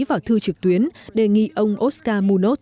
vào thư trực tuyến đề nghị ông oscar munoz